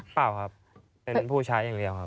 เปล่าครับเป็นผู้ใช้อย่างเดียวครับ